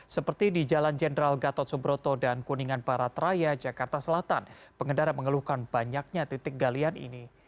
seperti di jalan jenderal gatot subroto dan kuningan barat raya jakarta selatan pengendara mengeluhkan banyaknya titik galian ini